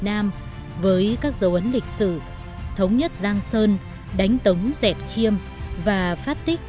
sách khâm định việt sử thông giám cương mục cho biết